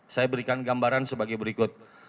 saya berikan gambaran sebagai berikut